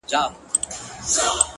• ورځيني ليري گرځــم ليــري گــرځــــم؛